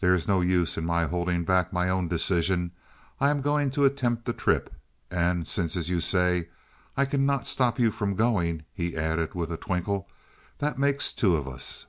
"There is no use my holding back my own decision. I am going to attempt the trip. And since, as you say, I cannot stop you from going," he added with a twinkle, "that makes two of us."